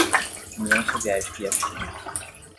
União Soviética e a China